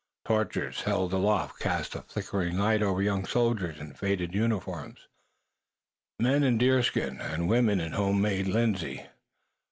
Torches, held aloft, cast a flickering light over young soldiers in faded uniforms, men in deerskin, and women in home made linsey.